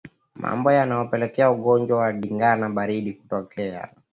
Mambo yanayopelekea ugonjwa wa ndigana baridi kutokea